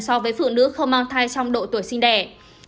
so với phụ nữ không mang thai trong độ tuổi sinh đẻ